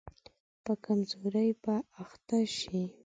په کمزوري به اخته شي.